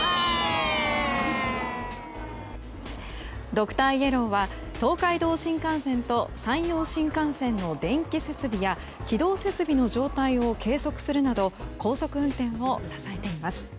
「ドクターイエロー」は東海道新幹線と山陽新幹線の電気設備や軌道設備の状態を計測するなど高速運転を支えています。